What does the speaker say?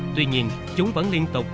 tuy nhiên chúng vẫn liên tục